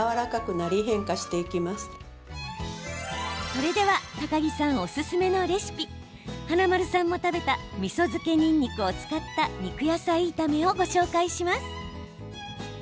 それでは高城さんおすすめのレシピ華丸さんも食べたみそ漬けにんにくを使った肉野菜炒めをご紹介します。